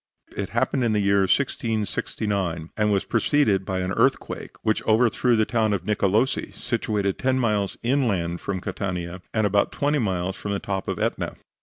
It happened in the year 1669, and was preceded by an earthquake, which overthrew the town of Nicolosi, situated ten miles inland from Catania, and about twenty miles from the top of Etna.